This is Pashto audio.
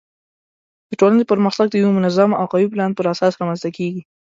د ټولنې پرمختګ د یوه منظم او قوي پلان پر اساس رامنځته کیږي.